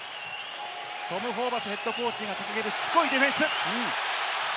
トム・ホーバスヘッドコーチが掲げる、しつこいディフェンス。